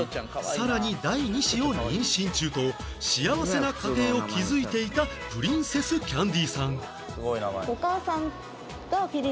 さらに第二子を妊娠中と幸せな家庭を築いていたプリンセスキャンディさん